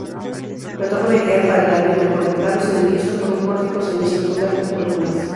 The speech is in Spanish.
Retoma la idea Palladio de conectar los edificios por un pórtico semicircular con columnas.